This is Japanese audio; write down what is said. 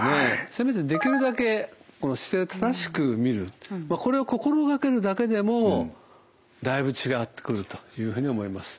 せめてできるだけこの姿勢を正しく見るこれを心掛けるだけでもだいぶ違ってくるというふうに思います。